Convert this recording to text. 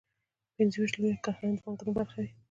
پنځه ویشت لویې کارخانې د بانکونو برخه وې